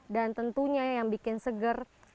dan tentunya yang bikin segar